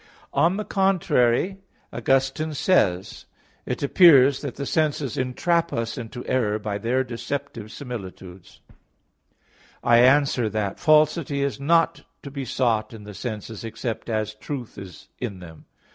On the contrary, Augustine says (Soliloq. ii, 6), "It appears that the senses entrap us into error by their deceptive similitudes." I answer that, Falsity is not to be sought in the senses except as truth is in them.